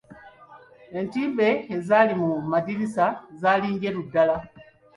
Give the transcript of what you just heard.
Entimbe ezaali mu madirisa zaali njeru ddala.